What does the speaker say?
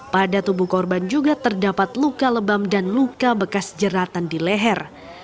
pada tubuh korban juga terdapat luka lebam dan luka bekas jeratan di leher